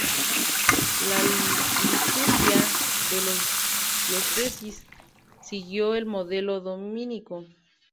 La liturgia de la diócesis siguió el modelo dominico.